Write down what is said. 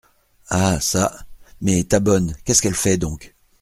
Ah çà, mais, ta bonne, qu'est-ce qu'elle fait donc ?